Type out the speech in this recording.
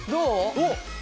おっ！